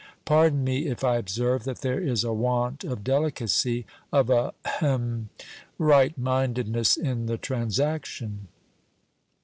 Pardon me if I observe that there is a want of delicacy of a hem right mindedness in the transaction."